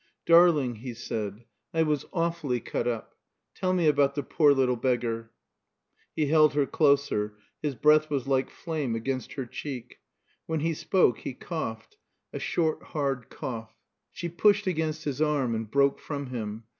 "Darling," he said, "I was awfully cut up. Tell me about the poor little beggar." He held her closer. His breath was like flame against her cheek. When he spoke he coughed a short hard cough. She pushed against his arm and broke from him.